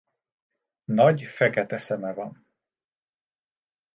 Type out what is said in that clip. Nagy fekete szeme van.